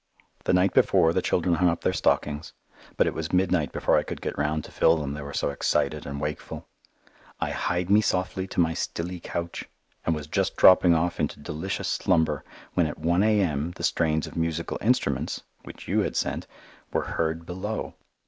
The night before the children hung up their stockings, but it was midnight before I could get round to fill them, they were so excited and wakeful. I "hied me softly to my stilly couch," and was just dropping off into delicious slumber when at 1 A.M. the strains of musical instruments (which you had sent) were heard below.